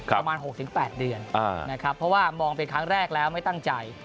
ประมาณ๖๘เดือนนะครับเพราะว่ามองเป็นครั้งแรกแล้วไม่ตั้งใจ